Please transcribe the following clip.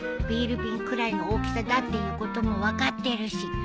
ビール瓶くらいの大きさだっていうことも分かってるし。